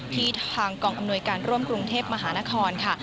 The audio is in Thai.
ที่ทางกองอำนวยการร่วมกรุงเทพมหานครค่ะ